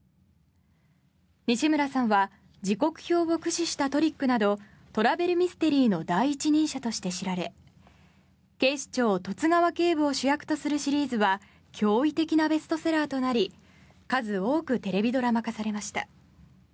西村さんは時刻表を駆使したトリックなどトラベルミステリーの第一人者として知られ警視庁、十津川警部を主役とするシリーズは驚異的なベストセラーとなり数多くテレビドラマ化されました。